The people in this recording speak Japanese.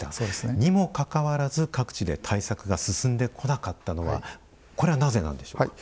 にもかかわらず各地で対策が進んでこなかったのはこれはなぜなんでしょうか？